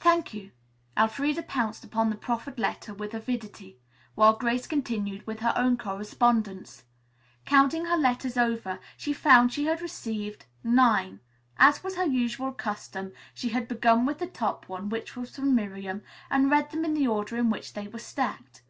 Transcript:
"Thank you." Elfreda pounced upon the proffered letter with avidity, while Grace continued with her own correspondence. Counting her letters over, she found she had received nine. As was her usual custom, she had begun with the top one, which was from Miriam, and read them in the order in which they were stacked.